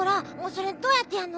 それどうやってやるの？